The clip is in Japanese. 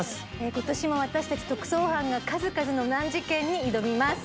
今年も私たち特捜班が数々の難事件に挑みます。